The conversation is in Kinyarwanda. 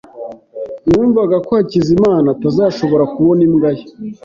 Numvaga ko Hakizimana atazashobora kubona imbwa ye.